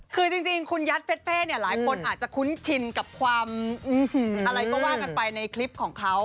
คือจริงคุณยัดเฟ่เนี่ยหลายคนอาจจะคุ้นชินกับความอะไรก็ว่ากันไปในคลิปของเขา